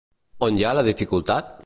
On hi ha la dificultat?